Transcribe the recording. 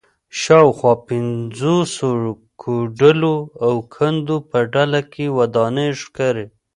شاوخوا پنځوسو کوډلو او کندو په ډله کې ودانۍ ښکاري